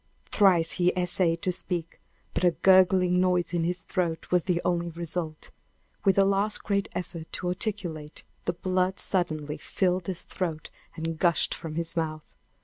Thrice he essayed to speak, but a gurgling noise in his throat was the only result. With a last great effort to articulate, the blood suddenly filled his throat and gushed from his mouth!